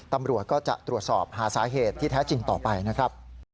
ตำรวจก็จะตรวจสอบหาสาเหตุที่แท้จริงต่อไปนะครับ